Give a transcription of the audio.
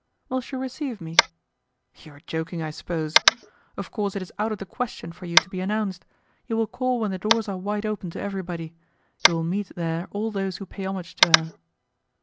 "Will she receive me?" "You are joking, I suppose. Of course it is out of the question for you to be announced. You will call when the doors are wide open to everybody. You will meet there all those who pay homage to her."